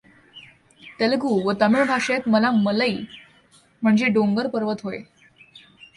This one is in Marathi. तेलुगू व तमिळ भाषेत मला मलई म्हणजे डोंगर पर्वत होय.